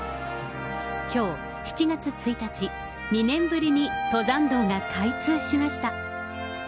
きょう７月１日、２年ぶりに登山道が開通しました。